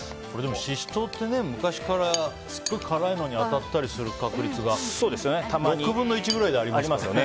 シシトウって昔からすごい辛いのに当たったりする確率が６分の１くらいでありますよね。